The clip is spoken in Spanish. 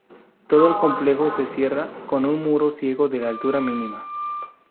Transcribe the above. Todo el complejo se cierra con un muro ciego de altura mínima.